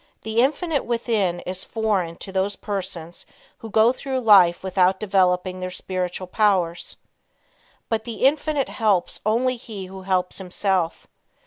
The Infinite within is foreign to those persons who go through life without developing their spiritual powers. But the Infinite helps only he who helps himself.